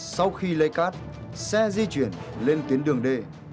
sau khi lấy cát xe di chuyển lên tuyến đường d